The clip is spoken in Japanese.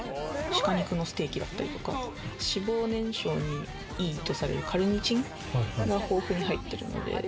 鹿肉のステーキだったりとか脂肪燃焼に良いとされるカルニチンが豊富に入ってるので。